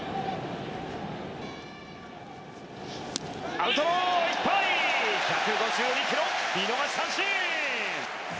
アウトローいっぱい１５２ｋｍ見逃し三振！